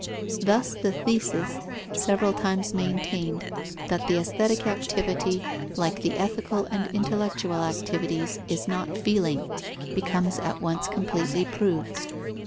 Thus the thesis, several times maintained, that the aesthetic activity, like the ethical and intellectual activities, is not feeling, becomes at once completely proved.